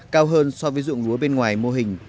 cao hơn so với dụng lúa bên ngoài mô hình